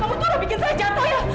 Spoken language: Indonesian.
kamu tuh udah bikin saya jatuh ya